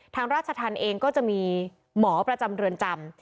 ราชธรรมเองก็จะมีหมอประจำเรือนจำ